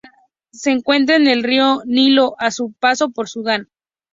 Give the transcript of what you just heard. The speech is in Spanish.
Se encuentra en el río Nilo a su paso por Sudán.